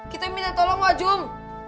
kita minta tolong wak jum